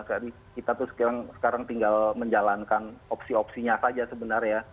jadi kita tuh sekarang tinggal menjalankan opsi opsinya saja sebenarnya ya